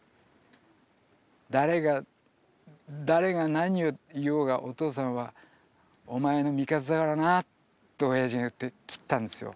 誰が誰が何を言おうがお父さんはお前の味方だからな」って親父が言って切ったんですよ。